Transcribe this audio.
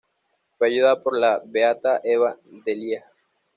Fue ayudada por la beata Eva de Lieja.